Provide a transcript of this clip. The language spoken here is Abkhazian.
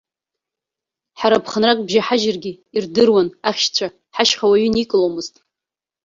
Ҳара ԥхынрак бжьаҳажьыргьы, ирдыруан ахьшьцәа, ҳашьха уаҩы иникыломызт.